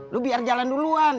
lo biar jalan duluan